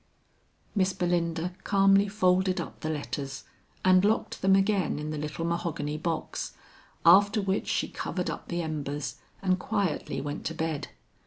Miss Belinda calmly folded up the letters and locked them again in the little mahogany box, after which she covered up the embers and quietly went to bed.